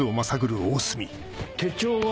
手帳は？